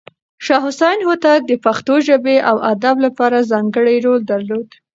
شاه حسين هوتک د پښتو ژبې او ادب لپاره ځانګړی رول درلود.